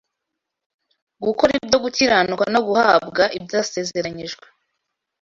gukora ibyo gukiranuka no guhabwa ibyasezeranijwe